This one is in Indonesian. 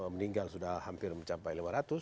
meninggal sudah hampir mencapai lima ratus